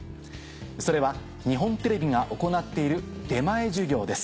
それは日本テレビが行っている出前授業です。